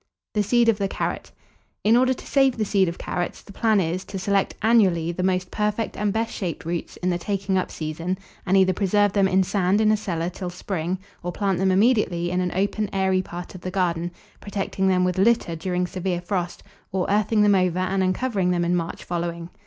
THE SEED OF THE CARROT. In order to save the seed of carrots, the plan is, to select annually the most perfect and best shaped roots in the taking up season, and either preserve them in sand in a cellar till spring, or plant them immediately in an open airy part of the garden, protecting them with litter during severe frost, or earthing them over, and uncovering them in March following.